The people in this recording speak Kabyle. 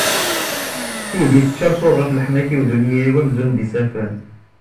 Tidi tettcercur ɣef leḥnak-iw d unnyir-iw amzun d isaffen.